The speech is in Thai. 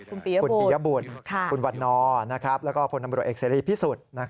คุณปียบุตรคุณวันนอร์แล้วก็พลตำรวจเอกเสรีพิสุทธิ์